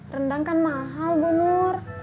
rendang kan mahal bu nur